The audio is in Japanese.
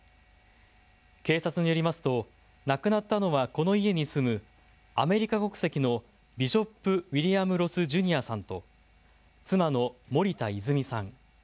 警察によりますと亡くなったのはこの家に住むアメリカ国籍のビショップ・ウィリアム・ロス・ジュニアさんと妻の森田泉さん